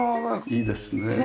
いいですねえ。